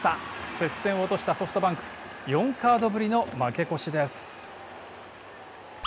接戦を落としたソフトバンク４カードぶりの負け越しです。